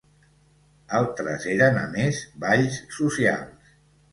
Altres eren, a més, balls socials.